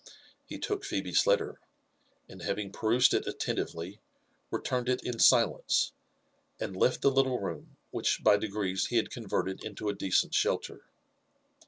He took Phebe's letter, and having perused it attentively, returned it in silence, and left the little room, which by degrees he had converted into a decent shelter.